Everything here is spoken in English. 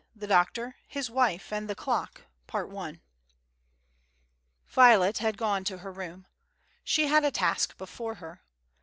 THE DOCTOR, HIS WIFE, AND THE CLOCK Violet had gone to her room. She had a task before her.